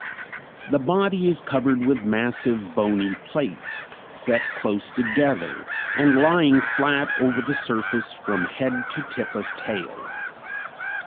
The body is covered with massive bony plates set close together and lying flat over the surface from head to tip of tail.